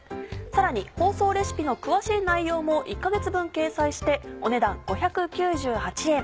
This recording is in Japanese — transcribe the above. さらに放送レシピの詳しい内容も１か月分掲載してお値段５９８円。